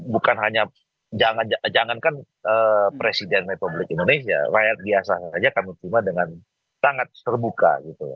bukan hanya jangankan presiden republik indonesia layak biasa saja kami tiba dengan tangan terbuka